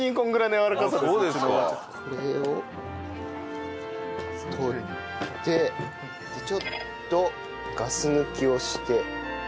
これを取ってでちょっとガス抜きをして。